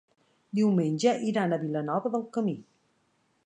Diumenge iran a Vilanova del Camí.